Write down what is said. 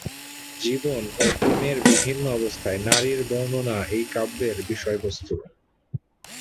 জীবন ও প্রেমের বিভিন্ন অবস্থায় নারীর বর্ণনা এই কাব্যের বিষয়বস্তু।